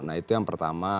nah itu yang pertama